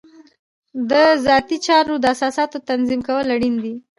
د ذاتي چارو د اساساتو تنظیم کول اړین دي.